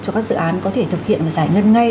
cho các dự án có thể thực hiện và giải ngân ngay